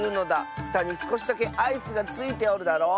ふたにすこしだけアイスがついておるだろう？